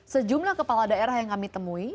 sejumlah kepala daerah yang kami temui